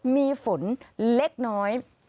มีฝนเล็กน้อย